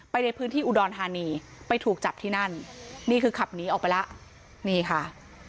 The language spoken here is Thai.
ในพื้นที่อุดรธานีไปถูกจับที่นั่นนี่คือขับหนีออกไปแล้วนี่ค่ะ